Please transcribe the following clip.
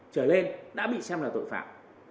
trở lên đã bị xem là tội phạm